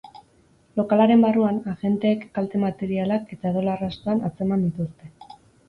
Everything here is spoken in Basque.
Lokalaren barruan, agenteek kalte materialak eta odol arrastoan atzeman dituzte.